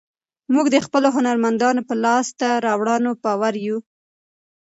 موږ د خپلو هنرمندانو په لاسته راوړنو باوري یو.